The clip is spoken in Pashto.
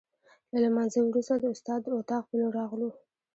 له لمانځه وروسته د استاد د اتاق په لور راغلو.